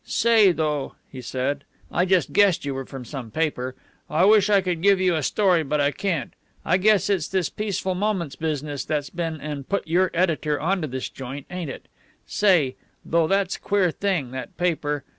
"Say, though," he said, "I just guessed you were from some paper. I wish I could give you a story, but I can't. I guess it's this Peaceful Moments business that's been and put your editor on to this joint, ain't it? Say, though, that's a queer thing, that paper.